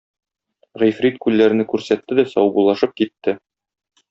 Гыйфрит күлләрне күрсәтте дә саубуллашып китте.